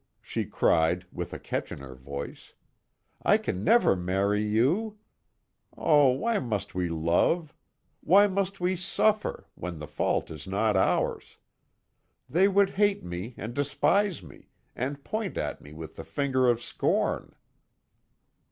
she cried, with a catch in her voice, "I can never marry you! Oh, why must we love! Why must we suffer, when the fault is not ours? They would hate me, and despise me, and point at me with the finger of scorn!"